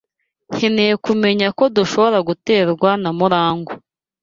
Nkeneye kumenya ko dushobora guterwa na Murangwa.